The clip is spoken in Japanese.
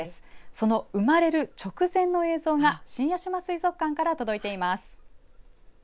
その生まれる直前の映像が新屋島水族館から届いています。